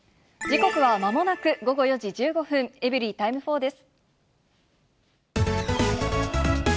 時刻はまもなく午後４時１５分、エブリィタイム４です。